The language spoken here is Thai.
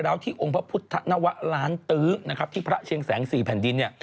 ก็นี่ไงก็จำได้ดี